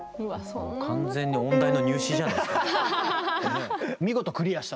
完全に音大の入試じゃないですか。はあ。